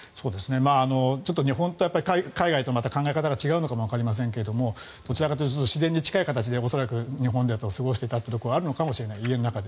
ちょっと日本と海外とまた考え方が違うのかもわかりませんがどちらかというと自然に近い形で日本では過ごしていたというのがあるのかもしれない、家の中で。